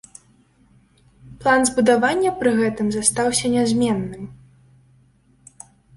План збудавання пры гэтым застаўся нязменным.